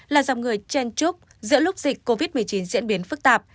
là dòng người chen trúc giữa lúc dịch covid một mươi chín diễn biến phức tạp